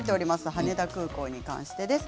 羽田空港に関してです。